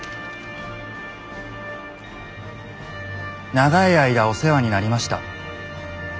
「長い間お世話になりました。